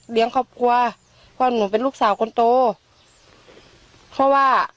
ครอบครัวเพราะหนูเป็นลูกสาวคนโตเพราะว่า